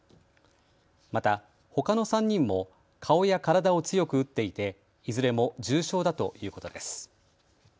また、ほかの３人も顔や体を強く打っていていずれも重傷だということです。